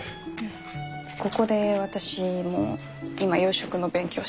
ここで私も今養殖の勉強してる。